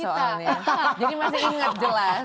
jadi masih inget jelas